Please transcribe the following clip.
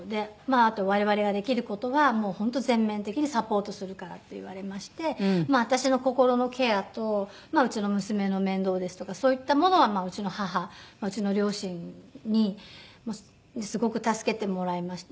あと「我々ができる事は本当全面的にサポートするから」と言われまして私の心のケアとうちの娘の面倒ですとかそういったものはうちの母うちの両親にすごく助けてもらいました。